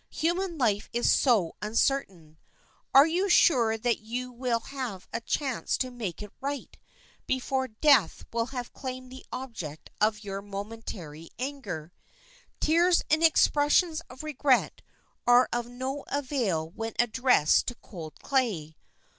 Human life is so uncertain, are you sure that you will have a chance to make it right before death will have claimed the object of your momentary anger? Tears and expressions of regret are of no avail when addressed to cold clay.